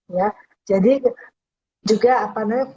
ya jadi juga apa namanya